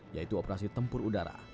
yaitu operasi tempur udara